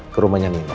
ke rumahnya nino